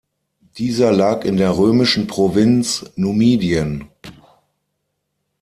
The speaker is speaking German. Dieser lag in der römischen Provinz Numidien.